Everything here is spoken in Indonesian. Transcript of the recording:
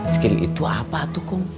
skill itu apa tuh kum